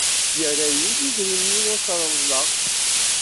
Yerra-yi-d idrimen i as-reḍleɣ.